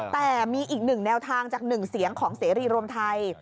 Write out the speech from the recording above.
แต่มีอีกหนึ่งแนวทางจาก๑เสียงของเสรีรวมไทย